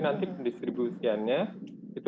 nanti pendistribusiannya itu